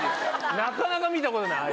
なかなか見たことない。